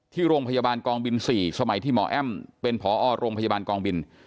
ที่โรงพยาบาลกองบิน๔สมัยที่หมอแอ้มเป็นผอโรงพยาบาลกองบิน